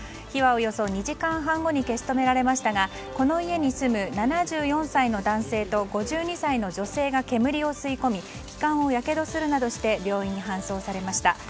火はおよそ２時間半後に消し止められましたがこの家に住む７４歳の男性と５２歳の女性が煙を吸いこみ気管をやけどするなどして病院に搬送されました。